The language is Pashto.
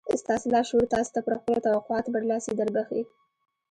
ستاسې لاشعور تاسې ته پر خپلو توقعاتو برلاسي دربښي